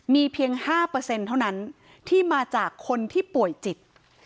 มีเพียง๕เท่านั้นที่มาจากคนที่ป่วยจิต